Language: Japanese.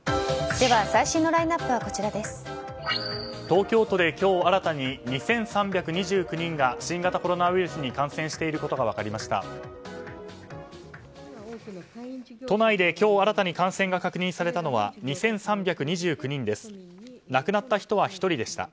東京都で今日新たに２３２９人が新型コロナウイルスに感染していることが分かりました。